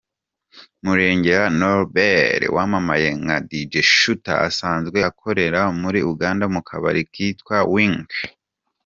Murengera Norbert wamamaye nka Dj Shooter asanzwe akorera muri Uganda mu kabari kitwa Wink.